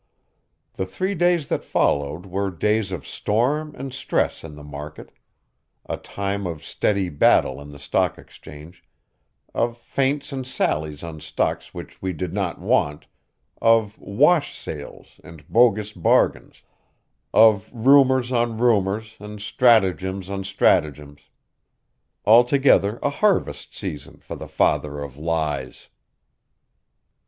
The three days that followed were days of storm and stress in the market; a time of steady battle in the Stock Exchange, of feints and sallies on stocks which we did not want, of "wash sales" and bogus bargains, of rumors on rumors and stratagems on stratagems altogether a harvest season for the Father of Lies.